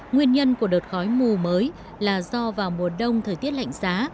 nguyên nhân của đợt khói mù mới là do vào mùa đông thời tiết lạnh giá